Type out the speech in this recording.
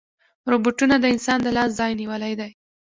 روبوټونه د انسان د لاس ځای نیولی دی.